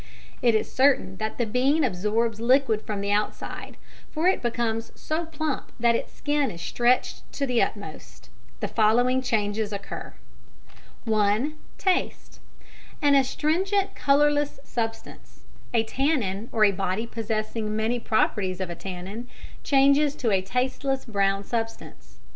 It is certain that the bean absorbs liquid from the outside, for it becomes so plump that its skin is stretched to the utmost. The following changes occur: (1) Taste. An astringent colourless substance (a tannin or a body possessing many properties of a tannin) changes to a tasteless brown substance.